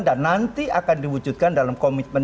dan nanti akan diwujudkan dalam komitmen